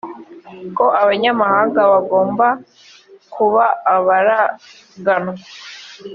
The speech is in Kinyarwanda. ko abanyamahanga bagombaga kuba abaraganwa